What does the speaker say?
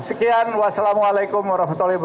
sekian wassalamualaikum wr wb